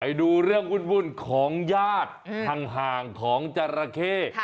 ไปดูเรื่องวุ่นของญาติห่างของจราเข้